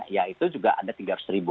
ya itu juga ada rp tiga ratus